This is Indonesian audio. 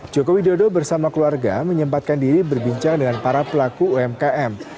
joko widodo bersama keluarga menyempatkan diri berbincang dengan para pelaku umkm